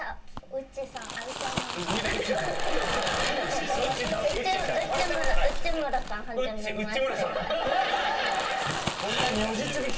ウッチ村さん？